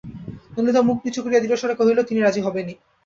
ললিতা মুখ নিচু করিয়া দৃঢ়স্বরে কহিল, তিনি রাজি হবেনই।